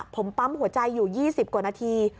ผมปั๊มหัวใจอยู่๒๐กว่านาที